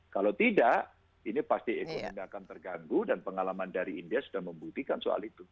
kalau tidak ini pasti ekonomi akan terganggu dan pengalaman dari india sudah membuktikan soal itu